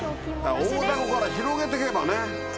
大ダコから広げてけばね。